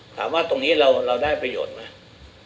ถามว่าตรงนี้เราได้ประโยชน์ไหม